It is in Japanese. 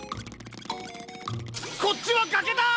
こっちはがけだ！